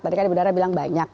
tadi kan ibu dara bilang banyak